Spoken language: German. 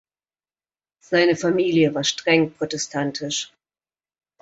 Seine Familie war streng protestantisch.